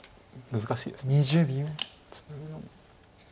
難しいです。